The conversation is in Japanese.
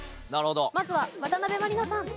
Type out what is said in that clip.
まずは渡辺満里奈さん。